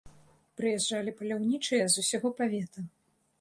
Прыязджалі паляўнічыя з усяго павета.